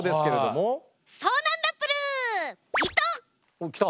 おっきた。